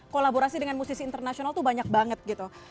kolaborasi dengan musisi internasional tuh banyak banget gitu